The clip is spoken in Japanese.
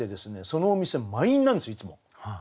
そのお店満員なんですよいつも。